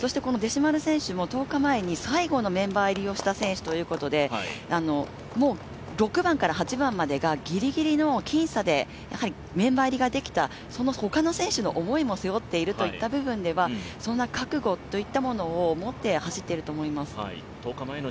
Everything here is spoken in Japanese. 弟子丸選手も１０日前に最後のメンバー入りをした選手ということでもう６番から８番までがギリギリの僅差でメンバー入りができた、他の選手も思いも背負っているという部分ではそんな覚悟といったものを持って走っていると思います。